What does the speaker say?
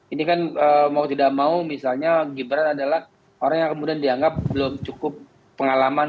ini kan mau tidak mau misalnya gibran adalah orang yang kemudian dianggap belum cukup pengalaman